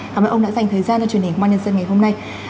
cảm ơn ông đã dành thời gian cho truyền hình của mạng nhân sân ngày hôm nay